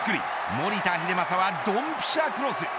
守田英正はドンピシャクロス。